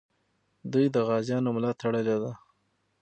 دوی د غازیانو ملا تړلې ده.